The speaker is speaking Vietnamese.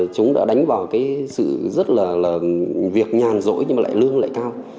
chúng đã đánh vào cái sự rất là việc nhàn rỗi nhưng mà lại lương lại cao